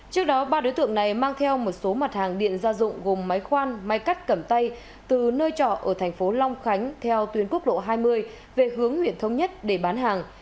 trước đó ba đối tượng này mang theo một số mặt hàng điện gia dụng gồm máy khoan máy cắt cẩm tay từ nơi trọ ở thành phố long khánh theo tuyến quốc lộ hai mươi về hướng huyện thống nhất để bán hàng